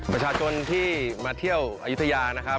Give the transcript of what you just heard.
ประชาชนที่มาเที่ยวอายุทยานะครับ